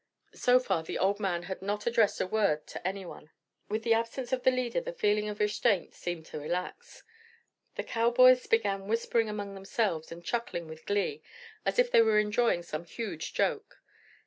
So far the old man had not addressed a word to anyone. With the absence of the leader the feeling of restraint seemed to relax. The cowboys began whispering among themselves and chuckling with glee, as if they were enjoying some huge joke.